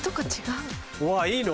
うわいいの？